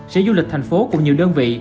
sẽ du lịch thành phố cùng nhiều đơn vị